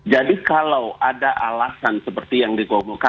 jadi kalau ada alasan seperti yang dikomunikasi